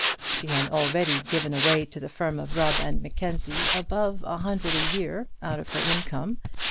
She had already given away to the firm of Rubb and Mackenzie above a hundred a year out of her income.